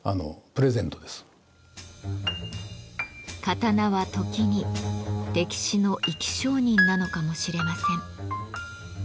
刀は時に歴史の生き証人なのかもしれません。